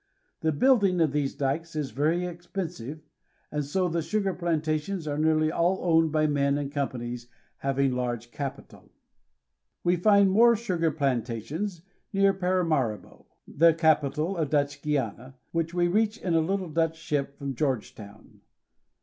The building of these dikes is very expensive, and so the sugar plantations are nearly all owned by men and companies having large capital. We find more sugar plantations near Paramaribo, the capital of Dutch Guiana, which we reach in a little Dutch DUTCH GUIANA. 349 ship from Georgetown.